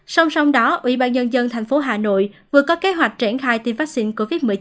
song song đó ủy ban nhân dân thành phố hà nội vừa có kế hoạch triển khai tiêm vaccine covid một mươi chín